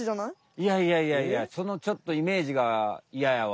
いやいやいやいやそのちょっとイメージがいややわ。